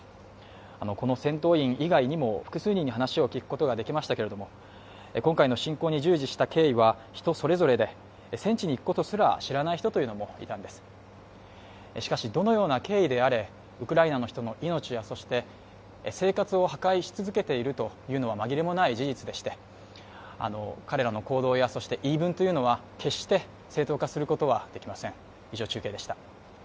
この戦闘員以外にも複数人に話を聞くことができましたけれども今回の侵攻に従事した経緯は人それぞれで戦地に行くことすら知らない人というのもいたんですしかしどのような経緯であれウクライナの人の命やそして生活を破壊し続けているというのは紛れもない事実でして彼らの行動やそして言い分というのは決して正当化することはできません